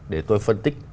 để tôi phân tích